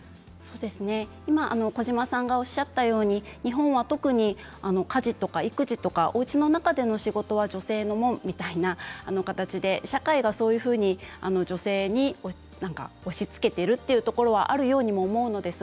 今、小島さんがおっしゃったように日本は特に家事や育児などおうちの中での仕事は女性のものという形で社会がそういうふうに女性に押しつけているというようなところがあるようにも思います。